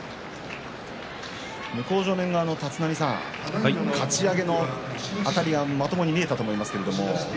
向正面側の立浪さんかち上げのあたりはまともに見えたと思いますけど。